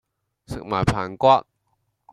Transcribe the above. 食埋棚骨